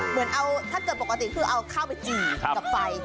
เหมือนเอาถ้าเกิดปกติคือเอาข้าวไปจี่กับไฟ